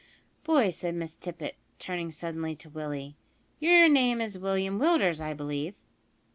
"Boy," said Miss Tippet, turning suddenly to Willie, "your name is William Willders, I believe?"